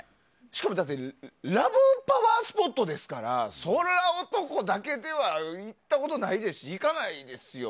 しかもラブパワースポットですからそれは男だけでは行ったことないですし行かないですよ。